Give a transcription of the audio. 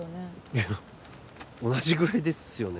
いや同じぐらいですよね